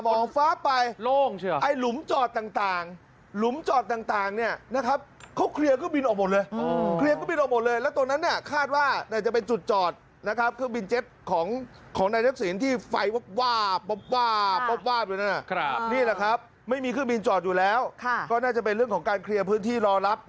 มองฟ้าไปโล่งใช่เหรอไอ้หลุมจอดต่างต่างหลุมจอดต่างต่างเนี้ยนะครับ